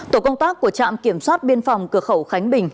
tổ công tác của trạm kiểm soát biên phòng cửa khẩu khánh bình